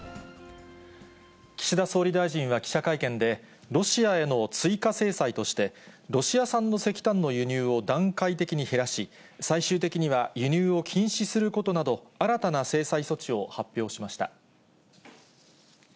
岸田総理大臣は記者会見で、ロシアへの追加制裁として、ロシア産の石炭の輸入を段階的に減らし、最終的には輸入を禁止することなど、新たな制裁措置を発表しました。